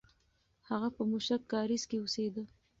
هغه په موشک کارېز کې اوسېده.